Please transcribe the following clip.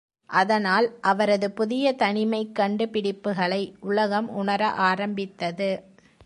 அதனால், அவரது புதிய தனிமைக் கண்டு பிடிப்புக்களை உலகம் உணர ஆரம்பித்தது.